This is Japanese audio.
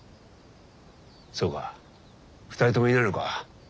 そうか２人ともいないのか。